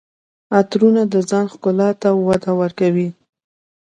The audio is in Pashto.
عطرونه د ځان ښکلا ته وده ورکوي.